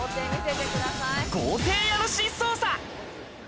豪邸家主捜査。